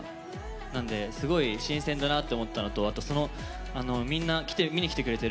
なんですごい新鮮だなって思ったのと見に来てくれてる